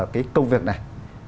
cái công việc này